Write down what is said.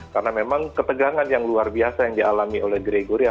karena memang ketegangan yang luar biasa yang dialami oleh gregoria